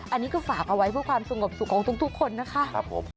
อันนี้ก็ฝากเอาไว้เพื่อความสงบสุขของทุกคนนะคะ